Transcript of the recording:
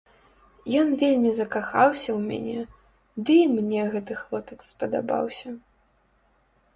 Ён вельмі закахаўся ў мяне, дый мне гэты хлопец спадабаўся.